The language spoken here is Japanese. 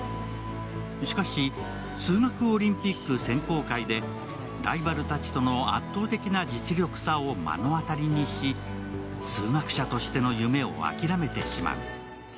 しかし数学オリンピック選考会でライバルたちとの圧倒的な実力差を目の当たりにし、数学者としての夢を諦めてしまう。